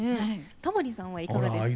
タモリさんはいかがですか？